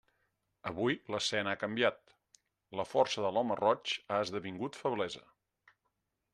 Avui, l'escena ha canviat: la força de l'home roig ha esdevingut feblesa.